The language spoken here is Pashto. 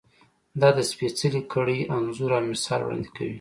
دا د سپېڅلې کړۍ انځور او مثال وړاندې کوي.